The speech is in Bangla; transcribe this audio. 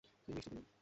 কি মিষ্টি তুমি।